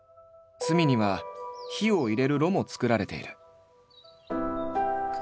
隅には火を入れる炉もつくられている。